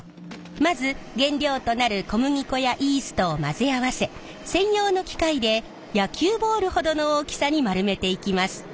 まず原料となる小麦粉やイーストを混ぜ合わせ専用の機械で野球ボールほどの大きさに丸めていきます。